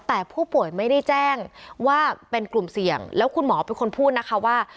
แต่ผู้ป่วยไม่ได้แจ้งว่าเป็นกลุ่มเสี่ยงแล้วคุณหมอเป็นคนพูดนะคะว่า